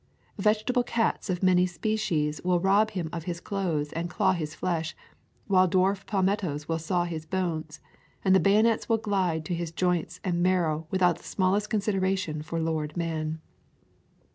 Vegetable cats of many species will rob him of his clothes and claw his flesh, while dwarf palmettos will saw his bones, and the bayonets will glide to his joints and marrow without the smallest consideration for Lord Man.